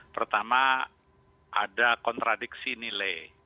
pertama ada kontradiksi nilai